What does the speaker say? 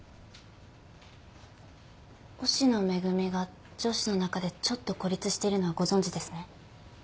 忍野めぐみが女子の中でちょっと孤立してるのはご存じですね？